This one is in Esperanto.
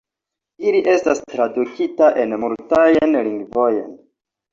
Ili estis tradukita en multajn lingvojn.